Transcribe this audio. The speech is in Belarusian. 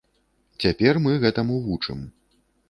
Цяпер мы гэтаму вучым.